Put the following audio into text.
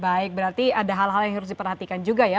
baik berarti ada hal hal yang harus diperhatikan juga ya